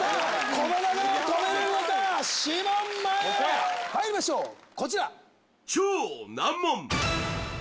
この流れを止めるのか士門前へまいりましょうこちら超難問